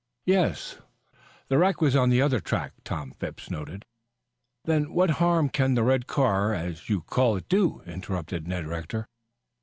"Yes." "The wreck was on the other track." Tom Phipps nodded. "Then what harm can the red car, as you call it, do?" interrupted Ned Rector.